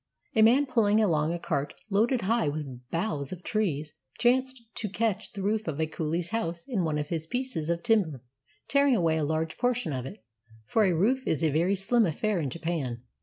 A man pulling along a cart loaded high up with boughs of trees chanced to catch the roof of a coohe's house in one of his pieces of timber, tearing away a large portion of it (for a roof is a very slim affair in Japan)